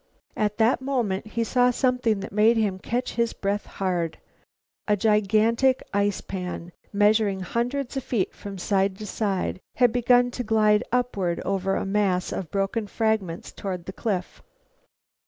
At that moment he saw something that made him catch his breath hard. A gigantic ice pan, measuring hundreds of feet from side to side, had begun to glide upward over a mass of broken fragments toward that cliff.